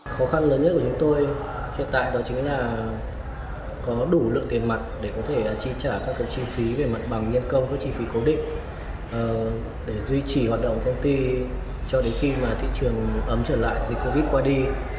khó khăn lớn nhất của chúng tôi hiện tại đó chính là có đủ lượng tiền mặt để có thể chi trả các chi phí về mặt bằng nhân công các chi phí cố định để duy trì hoạt động công ty cho đến khi mà thị trường ấm trở lại dịch covid qua đi